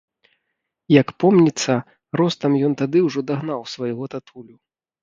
Як помніцца, ростам ён тады ўжо дагнаў свайго татулю.